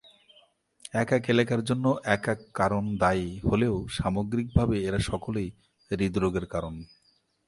এক এক এলাকার জন্যে এক এক কারণ দায়ী হলেও সামগ্রিকভাবে এরা সকলেই হৃদ রোগের কারণ।